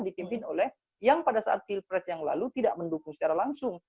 dipimpin oleh yang pada saat pilpres yang lalu tidak mendukung secara langsung